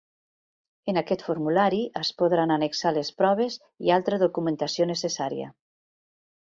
En aquest formulari es podran annexar les proves i altra documentació necessària.